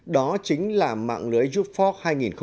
đó chính là mạng lưới youth fork hai nghìn ba mươi